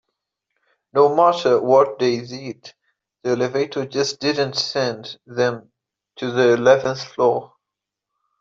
No matter what they did, the elevator just didn't send them to the eleventh floor.